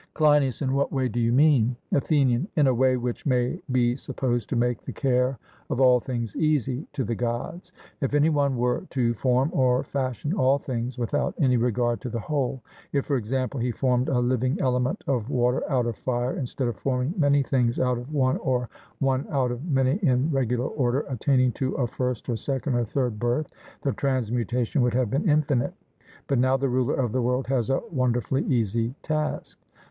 CLEINIAS: In what way do you mean? ATHENIAN: In a way which may be supposed to make the care of all things easy to the Gods. If any one were to form or fashion all things without any regard to the whole if, for example, he formed a living element of water out of fire, instead of forming many things out of one or one out of many in regular order attaining to a first or second or third birth, the transmutation would have been infinite; but now the ruler of the world has a wonderfully easy task.